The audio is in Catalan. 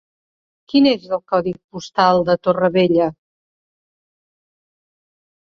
Quin és el codi postal de Torrevella?